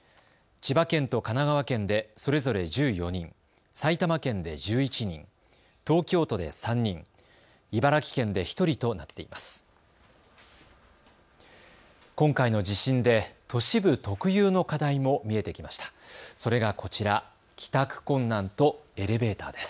千葉県と神奈川県でそれぞれ１４人、埼玉県で１１人、東京都で３人、茨城県で１人となっています。